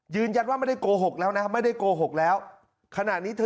ไม่ได้โกหกแล้วนะไม่ได้โกหกแล้วขณะนี้เธอ